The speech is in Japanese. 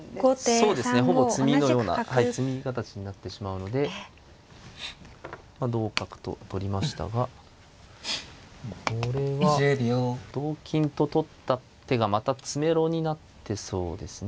そうですねほぼ詰みのような詰み形になってしまうのでまあ同角と取りましたがこれは同金と取った手がまた詰めろになってそうですね。